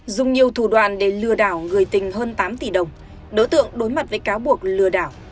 dùng nhiều thủ đoàn để lừa đảo người tình hơn tám tỷ đồng đối tượng đối mặt với cáo buộc lừa đảo